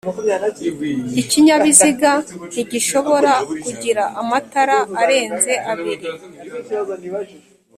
Ikinyabiziga ntigishobora kugira amatara arenze abiri